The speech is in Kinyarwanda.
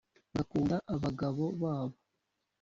bagakunda abagabo babo